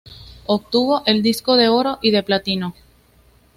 Obtuvo el disco de oro y de platino.